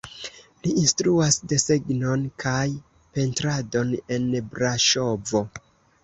Li instruas desegnon kaj pentradon en Braŝovo.